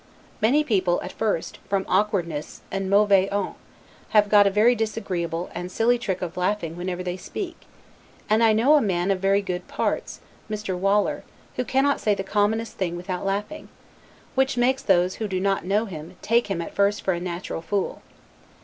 Many people, at first, from awkwardness and 'mauvaise honte', have got a very disagreeable and silly trick of laughing whenever they speak; and I know a man of very good parts, Mr. Waller, who cannot say the commonest thing without laughing; which makes those, who do not know him, take him at first for a natural fool.